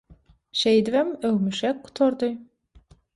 Şeýdibem «öwmeşek» gutardy.